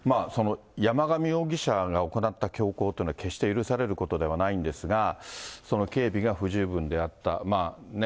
山上容疑者が行った凶行というのは、決して許されることではないんですが、警備が不十分であった。